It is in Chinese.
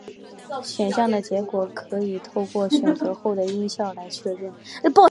选项的结果可以透过选择后的音效来确认。